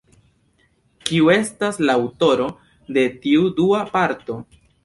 Kiu estas la aŭtoro de tiu dua parto?